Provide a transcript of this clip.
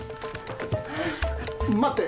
待って。